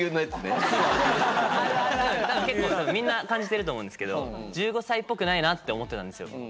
結構みんな感じてると思うんですけど１５歳っぽくないなって思ってたんですよ。